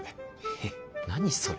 え何それ。